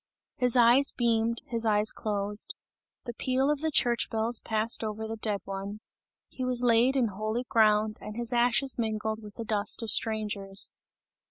His eyes beamed, his eyes closed. The peal of the church bells passed over the dead one. He was laid in holy ground and his ashes mingled with the dust of strangers.